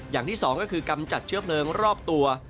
อย่างที่สองก็คือกำจัดเชื้อเพลิงรอบตัว